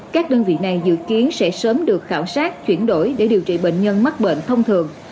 các đơn vị này dự kiến sẽ sớm được khảo sát chuyển đổi để điều trị bệnh nhân mắc bệnh thông thường